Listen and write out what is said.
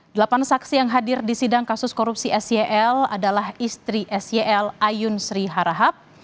delapan saksi yang hadir di sidang kasus korupsi sel adalah istri sel ayun sri harahap